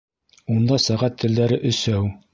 — Унда сәғәт телдәре өсәү.